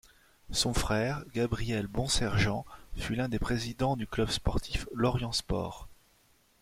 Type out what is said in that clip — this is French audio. Son frère, Gabriel Bonsergent, fut l'un des présidents du club sportif Lorient-Sports.